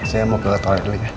saya mau ke restoran dulu ya